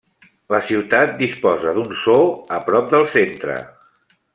La ciutat disposa d'un zoo a prop del centre.